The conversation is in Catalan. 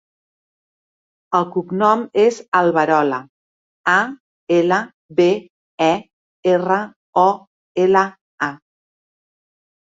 El cognom és Alberola: a, ela, be, e, erra, o, ela, a.